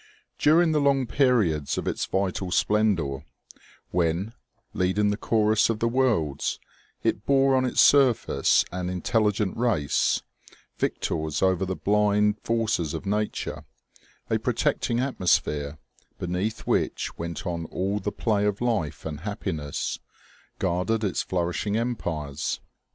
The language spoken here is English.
During the long periods of its vital splendor, when, leading the chorus of the worlds, it bore on its surface an intelligent race, victors over the blind forces of nature, a protecting atmosphere, beneath which went on all the play of life and happiness, guarded its flourishing empires.